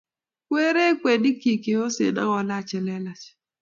Kireek kweinik chik cheyosen ak kolach chelelach